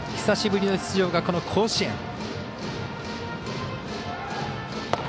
久しぶりの出場が、この甲子園。